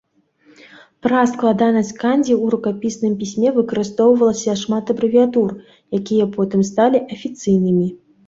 Праз складанасць кандзі ў рукапісным пісьме выкарыстоўвалася шмат абрэвіятур, якія потым сталі афіцыйнымі.